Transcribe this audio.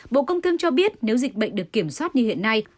bộ công thương cho biết nếu dịch bệnh được kiểm soát như hiện nay